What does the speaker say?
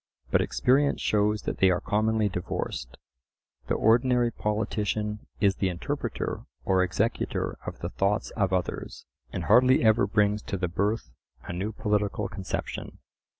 But experience shows that they are commonly divorced—the ordinary politician is the interpreter or executor of the thoughts of others, and hardly ever brings to the birth a new political conception.